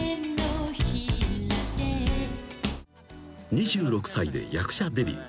［２６歳で役者デビュー］